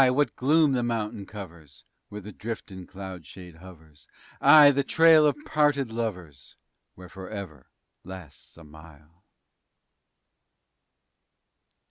what gloom the mountain covers_ Where the driftin' cloud shade hovers! Ay! the trail o' parted lovers, _Where "forever" lasts a mile!